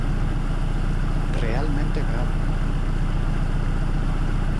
¡Realmente é grave!